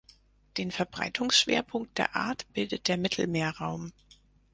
Den Verbreitungsschwerpunkt der Art bildet der Mittelmeerraum.